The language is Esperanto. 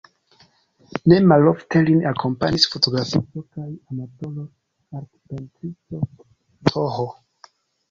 Ne malofte lin akompanis fotografisto kaj amatoro-artpentristo Th.